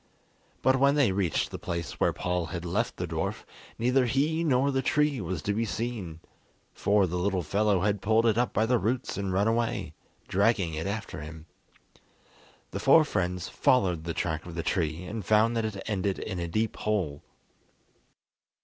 But when they reached the place where Paul had left the dwarf, neither he nor the tree was to be seen, for the little fellow had pulled it up by the roots and run away, dragging it after him. The four friends followed the track of the tree and found that it ended in a deep hole.